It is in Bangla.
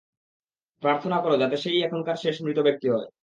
প্রার্থনা করো যাতে সে-ই এখানকার শেষ মৃতব্যক্তি হয়।